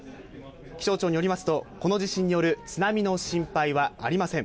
気象庁によりますと、この地震による津波の心配はありません。